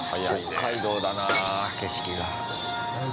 北海道だなぁ、景色が。